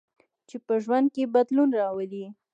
چې په ژوند کې بدلون راولي.